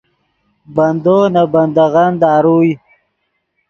بندو نے بندغّن داروئے